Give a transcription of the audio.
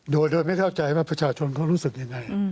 โดยไม่เข้าใจว่าประชาชนเขารู้สึกยังไง